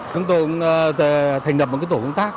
chúng tôi cũng thành đập một tổ công tác